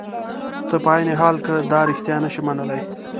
ته په عین حال کې دا رښتیا نشې منلای.